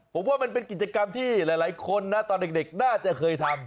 ผมว่ามันเป็นกิจกรรมที่หลายคนนะตอนเด็กน่าจะเคยทำ